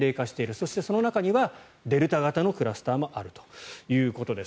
そして、その中にはデルタ型のクラスターもあるということです。